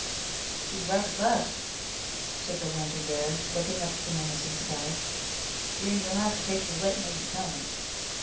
"She's about to bust," said the lantern bearer, looking up at the menacing sky. "Jim, you'll have to take your wettin' as it comes."